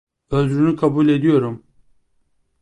Özrünü kabul ediyorum.